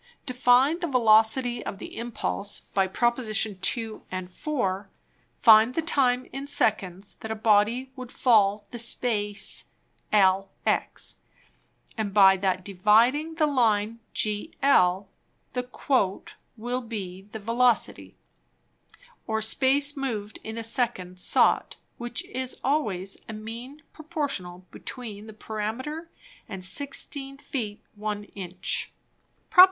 To find the Velocity of the Impulse: by Prop. 2, and 4, find the Time in Seconds that a Body would fall the Space LX; and by that dividing the Line GL, the Quote will be the Velocity, or Space moved in a Second sought, which is always a mean Proportional between the Parameter, and 16 Feet, 1 Inch. Prop.